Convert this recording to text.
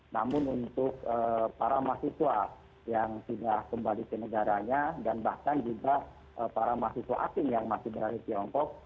namun untuk para mahasiswa yang sudah kembali ke negaranya dan bahkan juga para mahasiswa asing yang masih berada di tiongkok